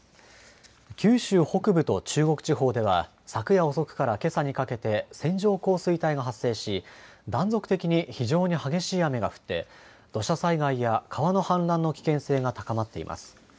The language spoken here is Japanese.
九州北部と中国地方では昨夜遅くからけさにかけて線状降水帯が発生し断続的に非常に激しい雨が降って土砂災害や川の氾濫の危険性が高まっています。